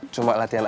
cuma latihan aja